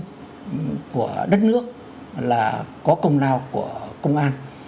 cái an toàn an ninh của đất nước là có công lao của công an